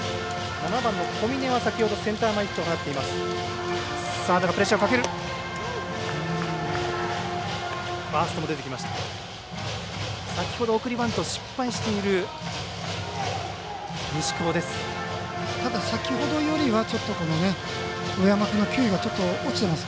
７番の小峰は先ほどセンター前ヒットを放っています。